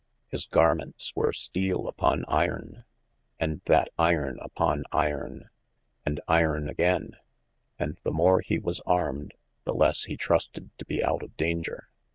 His garments were Steele upon yron, and that yron upon Iron, and Iron agayne, and the more he was armed, the lesse he trusted to be out of daunger.